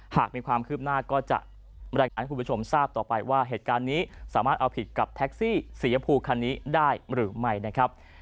หากมีความคืบหน้าก็จะรายงานให้คุณผู้ชมทราบต่อไปว่าเหตุการณ์นี้สามารถเอาผิดกับแท็กซี่สียพูคันนี้ได้หรือไม่นะครับ